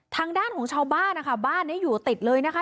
ทางด้านของชาวบ้านนะคะบ้านนี้อยู่ติดเลยนะคะ